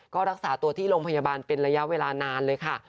ก็รักษาตัวที่โรงพยาบาลเป็นระยะเวลานานเลยค่ะ